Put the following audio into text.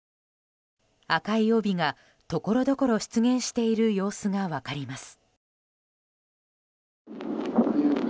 赤い帯が、ところどころ出現している様子が分かります。